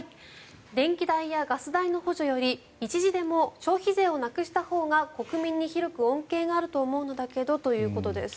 電気代やガス代の補助より一時でも消費税をなくしたほうが国民に広く恩恵があると思うのだけどということです。